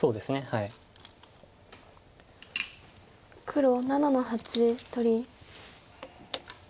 黒７の八取り。